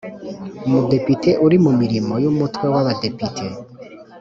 Umudepite uri mu mirimo y Umutwe w Abadepite